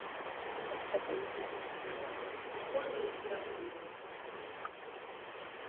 katika chama hicho natumaini zinginezo nadhani kama kutakuwa hamna mabadiliko hayo